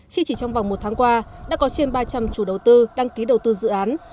khi chỉ trong vòng một tháng qua đã có trên ba trăm linh chủ đầu tư đăng ký đầu tư dự án